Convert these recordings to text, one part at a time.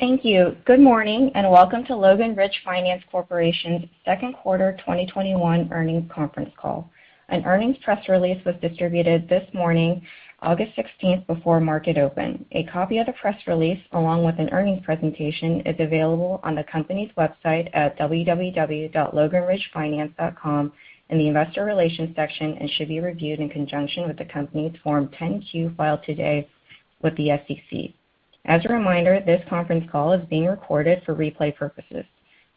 Thank you. Good morning, and welcome to Logan Ridge Finance Corporation's second quarter 2021 earnings conference call. An earnings press release was distributed this morning, August 16th, before market open. A copy of the press release, along with an earnings presentation, is available on the company's website at www.loganridgefinance.com in the investor relations section and should be reviewed in conjunction with the company's Form 10-Q filed today with the SEC. As a reminder, this conference call is being recorded for replay purposes.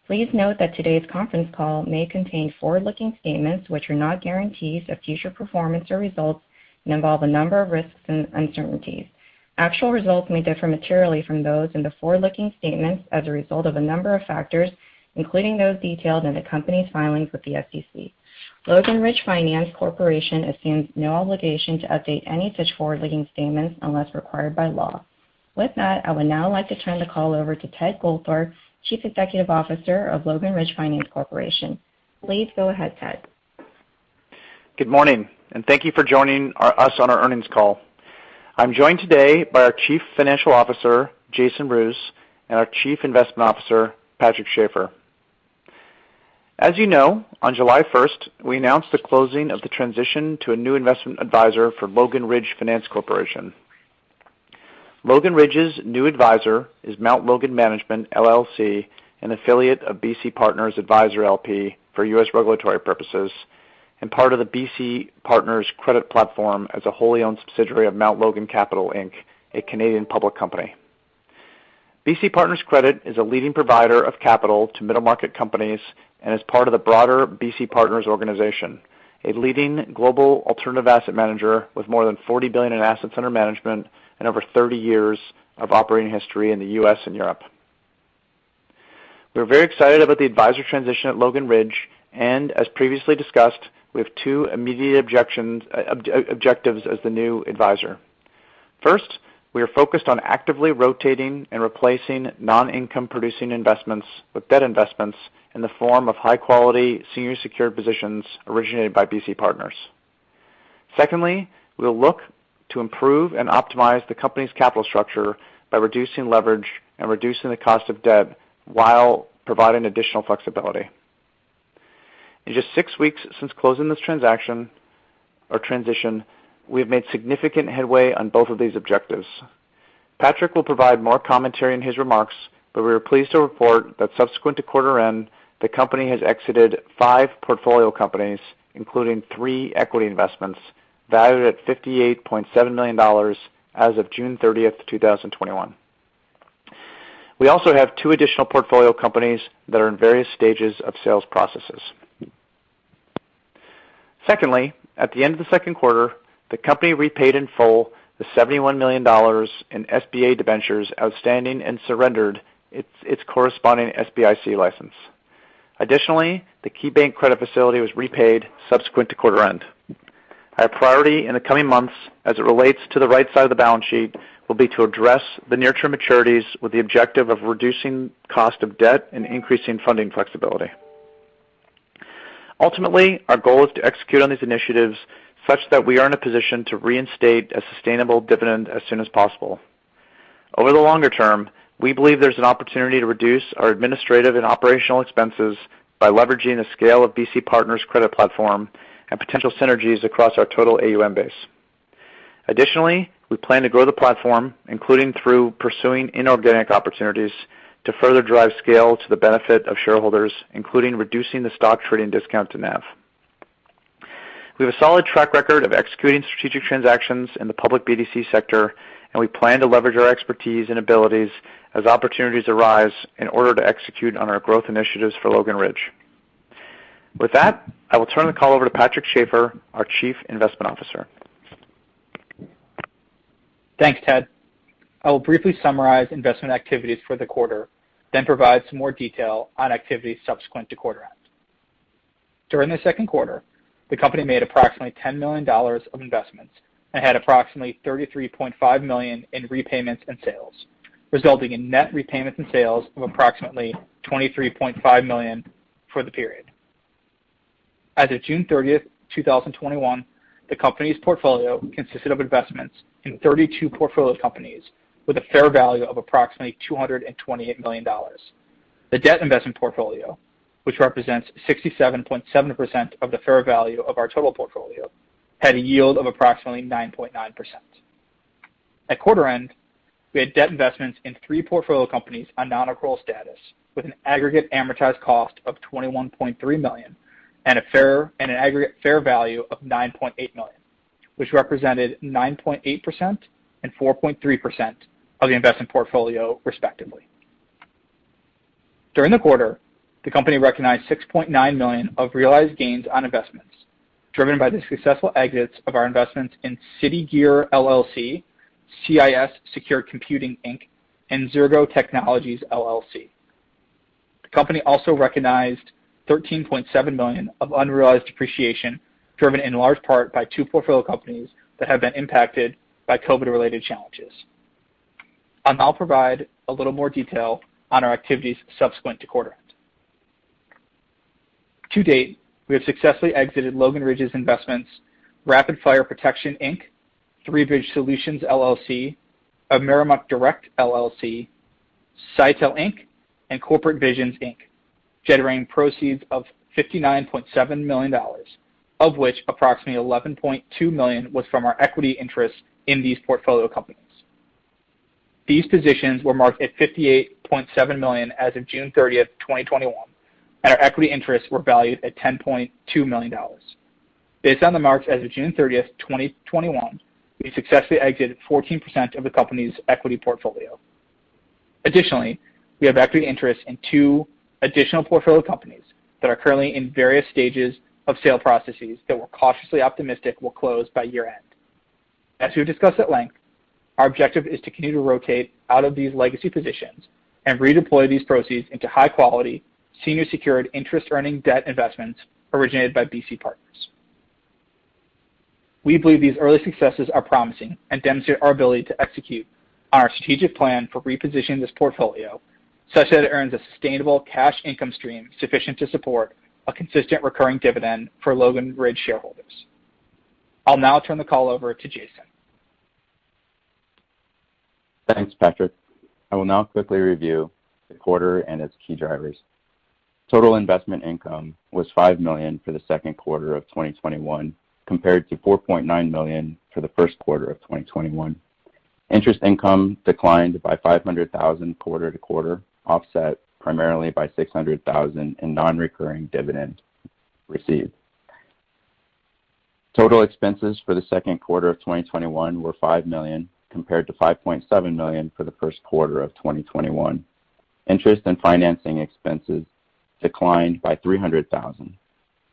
Please note that today's conference call may contain forward-looking statements, which are not guarantees of future performance or results and involve a number of risks and uncertainties. Actual results may differ materially from those in the forward-looking statements as a result of a number of factors, including those detailed in the company's filings with the SEC. Logan Ridge Finance Corporation assumes no obligation to update any such forward-looking statements unless required by law. With that, I would now like to turn the call over to Ted Goldthorpe, Chief Executive Officer of Logan Ridge Finance Corporation. Please go ahead, Ted. Good morning, and thank you for joining us on our earnings call. I'm joined today by our Chief Financial Officer, Jason Roos, and our Chief Investment Officer, Patrick Schafer. As you know, on July 1st, 2021 we announced the closing of the transition to a new investment advisor for Logan Ridge Finance Corporation. Logan Ridge's new advisor is Mount Logan Management, LLC, an affiliate of BC Partners Advisors L.P. for U.S. regulatory purposes and part of the BC Partners Credit as a wholly-owned subsidiary of Mount Logan Capital Inc., a Canadian public company. BC Partners Credit is a leading provider of capital to middle-market companies and is part of the broader BC Partners, a leading global alternative asset manager with more than $40 billion in assets under management and over 30 years of operating history in the U.S. and Europe. We are very excited about the advisor transition at Logan Ridge. As previously discussed, we have two immediate objectives as the new advisor. First, we are focused on actively rotating and replacing non-income-producing investments with debt investments in the form of high-quality, senior secured positions originated by BC Partners. Secondly, we will look to improve and optimize the company's capital structure by reducing leverage and reducing the cost of debt while providing additional flexibility. In just six weeks since closing this transaction or transition, we have made significant headway on both of these objectives. Patrick will provide more commentary in his remarks. We are pleased to report that subsequent to quarter end, the company has exited five portfolio companies, including three equity investments valued at $58.7 million as of June 30th, 2021. We also have two additional portfolio companies that are in various stages of sales processes. Secondly, at the end of the second quarter, the company repaid in full the $71 million in SBA debentures outstanding and surrendered its corresponding SBIC license. Additionally, the KeyBank credit facility was repaid subsequent to quarter end. Our priority in the coming months, as it relates to the right side of the balance sheet, will be to address the near-term maturities with the objective of reducing cost of debt and increasing funding flexibility. Ultimately, our goal is to execute on these initiatives such that we are in a position to reinstate a sustainable dividend as soon as possible. Over the longer term, we believe there's an opportunity to reduce our administrative and operational expenses by leveraging the scale of BC Partners Credit Platform and potential synergies across our total AUM base. Additionally, we plan to grow the platform, including through pursuing inorganic opportunities, to further drive scale to the benefit of shareholders, including reducing the stock trading discount to NAV. We have a solid track record of executing strategic transactions in the public BDC sector, and we plan to leverage our expertise and abilities as opportunities arise in order to execute on our growth initiatives for Logan Ridge. With that, I will turn the call over to Patrick Schafer, our Chief Investment Officer. Thanks Ted. I will briefly summarize investment activities for the quarter, then provide some more detail on activities subsequent to quarter end. During the second quarter, the company made approximately $10 million of investments and had approximately $33.5 million in repayments and sales, resulting in net repayments and sales of approximately $23.5 million for the period. As of June 30th, 2021, the company's portfolio consisted of investments in 32 portfolio companies with a fair value of approximately $228 million. The debt investment portfolio, which represents 67.7% of the fair value of our total portfolio, had a yield of approximately 9.9%. At quarter end, we had debt investments in three portfolio companies on non-accrual status with an aggregate amortized cost of $21.3 million and an aggregate fair value of $9.8 million, which represented 9.8% and 4.3% of the investment portfolio, respectively. During the quarter, the company recognized $6.9 million of realized gains on investments, driven by the successful exits of our investments in City Gear LLC, CIS Secure Computing, Inc., and Xirgo Technologies LLC. The company also recognized $13.7 million of unrealized appreciation, driven in large part by two portfolio companies that have been impacted by COVID-related challenges. I'll now provide a little more detail on our activities subsequent to quarter end. To date, we have successfully exited Logan Ridge's investments, Rapid Fire Protection, Inc., ThreeBridge Solutions LLC, AmeriMark Direct LLC, Seitel Inc., and Corporate Visions Inc., generating proceeds of $59.7 million, of which approximately $11.2 million was from our equity interest in these portfolio companies. These positions were marked at $58.7 million as of June 30th, 2021, and our equity interests were valued at $10.2 million. Based on the marks as of June 30th, 2021, we successfully exited 14% of the company's equity portfolio. Additionally, we have equity interest in two additional portfolio companies that are currently in various stages of sale processes that we're cautiously optimistic will close by year-end. As we've discussed at length, our objective is to continue to rotate out of these legacy positions and redeploy these proceeds into high-quality, senior secured interest-earning debt investments originated by BC Partners. We believe these early successes are promising and demonstrate our ability to execute on our strategic plan for repositioning this portfolio such that it earns a sustainable cash income stream sufficient to support a consistent recurring dividend for Logan Ridge shareholders. I'll now turn the call over to Jason. Thanks Patrick. I will now quickly review the quarter and its key drivers. Total investment income was $5 million for the second quarter of 2021 compared to $4.9 million for the first quarter of 2021. Interest income declined by $500,000 quarter to quarter, offset primarily by $600,000 in non-recurring dividends received. Total expenses for the second quarter of 2021 were $5 million compared to $5.7 million for the first quarter of 2021. Interest and financing expenses declined by $300,000.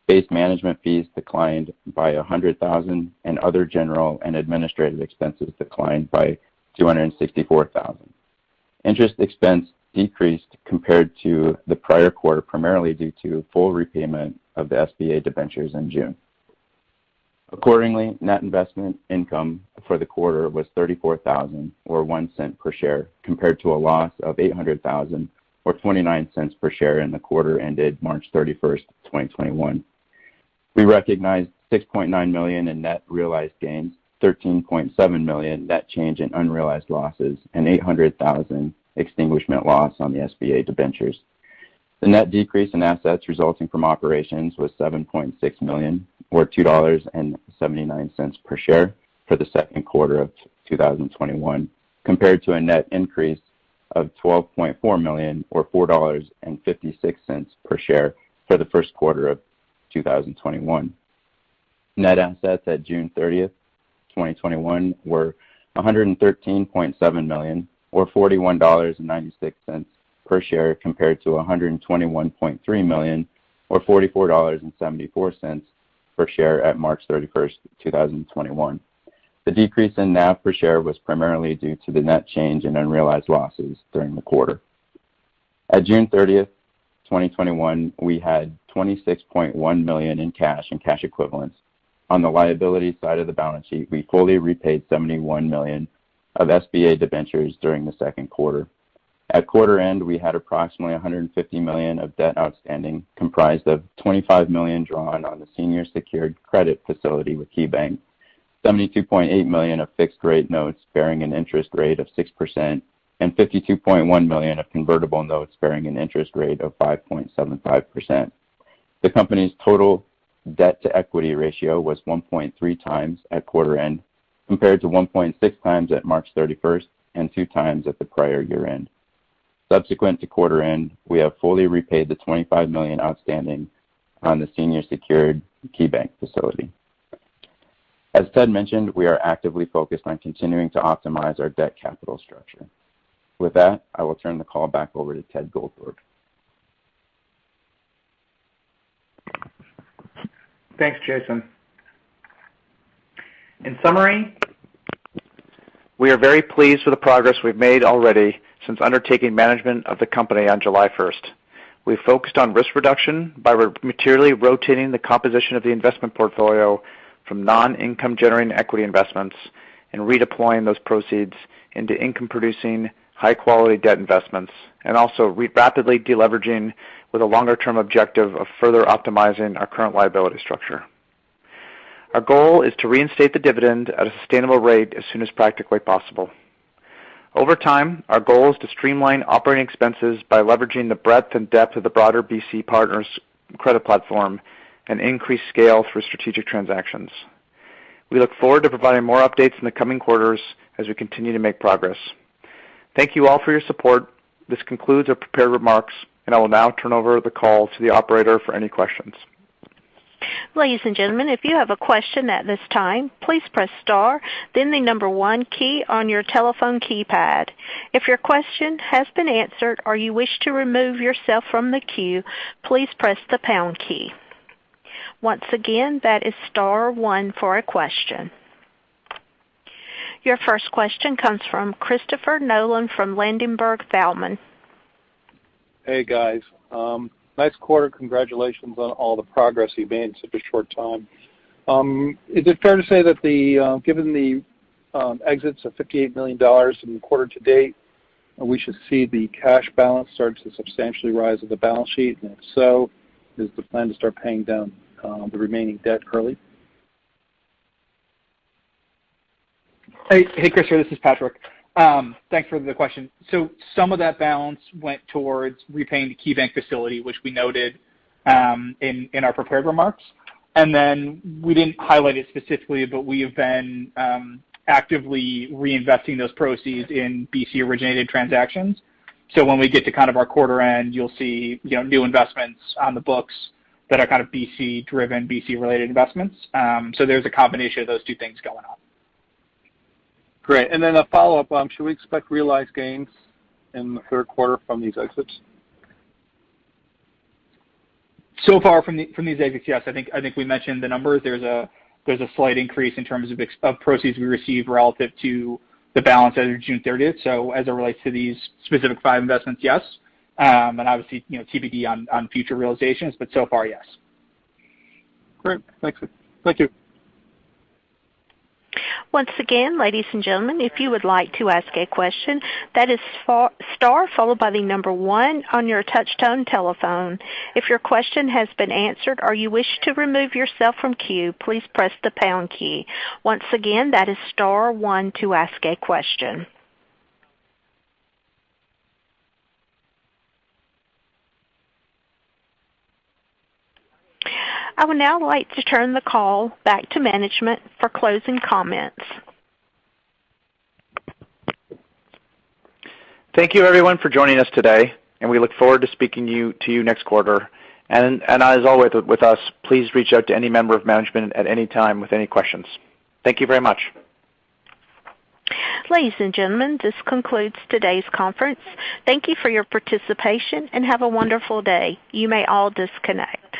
Base management fees declined by $100,000, and other general and administrative expenses declined by $264,000. Interest expense decreased compared to the prior quarter, primarily due to full repayment of the SBA debentures in June. Accordingly, net investment income for the quarter was $34,000 or $0.01 per share, compared to a loss of $800,000 or $0.29 per share in the quarter ended March 31, 2021. We recognized $6.9 million in net realized gains, $13.7 million net change in unrealized losses, and $800,000 extinguishment loss on the SBA debentures. The net decrease in assets resulting from operations was $7.6 million or $2.79 per share for the second quarter of 2021, compared to a net increase of $12.4 million or $4.56 per share for the first quarter of 2021. Net assets at June 30th, 2021 were $113.7 million or $41.96 per share compared to $121.3 million or $44.74 per share at March 31st, 2021. The decrease in NAV per share was primarily due to the net change in unrealized losses during the quarter. At June 30th, 2021, we had $26.1 million in cash and cash equivalents. On the liability side of the balance sheet, we fully repaid $71 million of SBA debentures during the second quarter. At quarter end, we had approximately $150 million of debt outstanding, comprised of $25 million drawn on the senior secured credit facility with KeyBank, $72.8 million of fixed-rate notes bearing an interest rate of 6%, and $52.1 million of convertible notes bearing an interest rate of 5.75%. The company's total debt-to-equity ratio was 1.3x at quarter end, compared to 1.6x at March 31st, 2021 and 2x at the prior year-end. Subsequent to quarter end, we have fully repaid the $25 million outstanding on the senior secured KeyBank facility. As Ted mentioned, we are actively focused on continuing to optimize our debt capital structure. With that, I will turn the call back over to Ted Goldthorpe. Thanks, Jason. In summary, we are very pleased with the progress we've made already since undertaking management of the company on July 1st. We've focused on risk reduction by materially rotating the composition of the investment portfolio from non-income generating equity investments and redeploying those proceeds into income-producing, high-quality debt investments, and also rapidly de-leveraging with a longer-term objective of further optimizing our current liability structure. Our goal is to reinstate the dividend at a sustainable rate as soon as practically possible. Over time, our goal is to streamline operating expenses by leveraging the breadth and depth of the broader BC Partners Credit platform and increase scale through strategic transactions. We look forward to providing more updates in the coming quarters as we continue to make progress. Thank you all for your support. This concludes our prepared remarks, and I will now turn over the call to the operator for any questions. Ladies and gentlemen, if you have a question at this time, please press star, then the number one key on your telephone keypad. If your question has been answered or you wish to remove yourself from the queue, please press the pound key. Once again, that is star one for a question. Your first question comes from Christopher Nolan from Ladenburg Thalmann. Hey, guys nice quarter congratulations on all the progress you've made in such a short time. Is it fair to say that given the exits of $58 million in quarter-to-date, we should see the cash balance start to substantially rise on the balance sheet? If so, is the plan to start paying down the remaining debt early? Hey Chris this is Patrick thanks for the question. Some of that balance went towards repaying the KeyBank facility, which we noted in our prepared remarks. We didn't highlight it specifically, but we have been actively reinvesting those proceeds in BC-originated transactions. When we get to kind of our quarter end, you'll see new investments on the books that are kind of BC-driven, BC-related investments. There's a combination of those two things going on. Great. A follow-up, should we expect realized gains in the third quarter from these exits? Far from these exits, yes. I think we mentioned the numbers. There's a slight increase in terms of proceeds we received relative to the balance as of June 30th. As it relates to these specific five investments, yes. Obviously, TBD on future realizations, but so far, yes. Great. Thanks. Thank you. Once again, ladies and gentlemen, if you would like to ask a question, that is star followed by the number one on your touch-tone telephone. If your question has been answered or you wish to remove yourself from queue, please press the pound key. Once again, that is star one to ask a question. I would now like to turn the call back to management for closing comments. Thank you everyone for joining us today, and we look forward to speaking to you next quarter. As always with us, please reach out to any member of management at any time with any questions. Thank you very much. Ladies and gentlemen, this concludes today's conference. Thank you for your participation, and have a wonderful day. You may all disconnect.